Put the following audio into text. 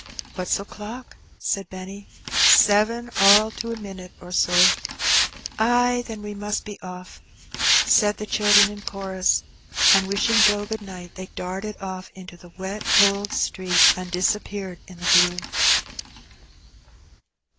'* "What's o'clock?" said Benny. "Seven, all to a minit or so." "Ay, then we must be ofiF," said the children in chorus; and wishing Joe good night, they darted off into the wet, cold street, and disappeared in the gloom.